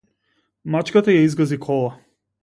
Мачката ја изгази кола.